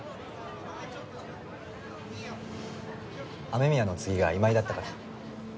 雨宮の次が今井だったから。